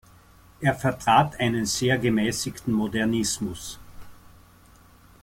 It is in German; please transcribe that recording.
Er vertrat einen sehr gemäßigten Modernismus.